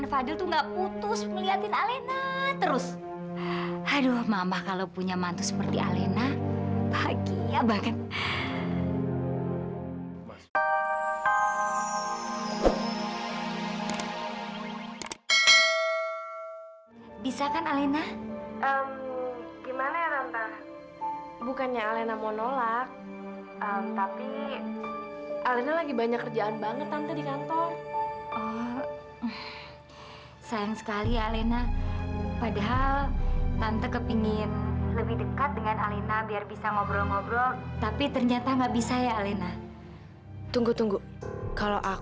sampai jumpa di video selanjutnya